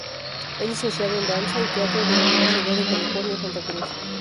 Es licenciado en Danza y Teatro de la Universidad de California en Santa Cruz.